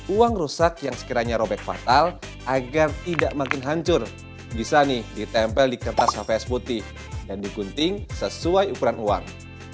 uang rusak yang sekiranya robek fatal agar tidak makin hancur bisa nih ditempel di kertas sampai es putih dan digunting sesuai ukuran uang